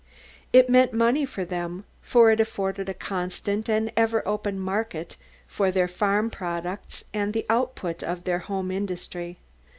It meant money for them, for it afforded a constant and ever open market for their farm products and the output of their home industry.